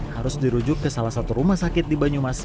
harus dirujuk ke salah satu rumah sakit di banyumas